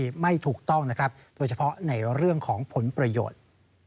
ไม่ถูกต้องนะครับโดยเฉพาะในเรื่องของผลประโยชน์